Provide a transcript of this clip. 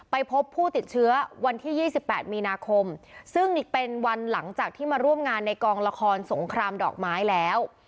ไปพบผู้ติดเชื้อวันที่๒๘มีนาคมซึ่งนี่เป็นวันหลังจากที่มาร่วมงานในกองละครสงครามดอกไม้แล้ว